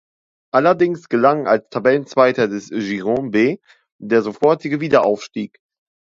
Allerdings gelang als Tabellenzweiter des "Girone B" der sofortige Wiederaufstieg.